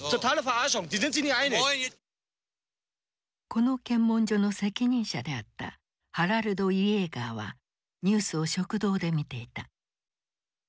この検問所の責任者であったハラルド・イエーガーはニュースを食堂で見ていた。